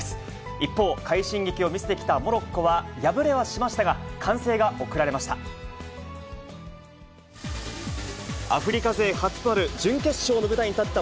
一方、快進撃を見せてきたモロッコは、敗れはしましたが、歓声が送られました。